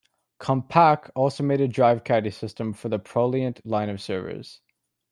Compaq also made a drive caddy system for the Proliant line of servers.